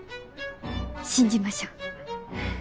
信じましょう。